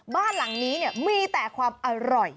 บ้านหลังนี้มีแต่ความอร่อย